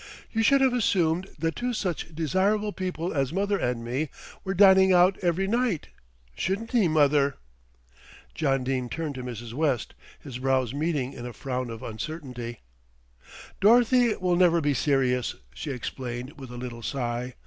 "You should have assumed that two such desirable people as mother and me were dining out every night, shouldn't he, mother?" John Dene turned to Mrs. West, his brows meeting in a frown of uncertainty. "Dorothy will never be serious," she explained with a little sigh.